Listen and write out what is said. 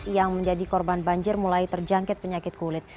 yang menjadi korban banjir mulai terjangkit penyakit kulit